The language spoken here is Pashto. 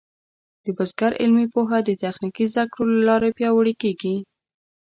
د بزګر علمي پوهه د تخنیکي زده کړو له لارې پیاوړې کېږي.